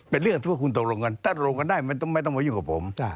เป็นเรื่องที่ว่าคุณตกลงกันถ้าตกลงกันได้ไม่ต้องมายุ่งกับผม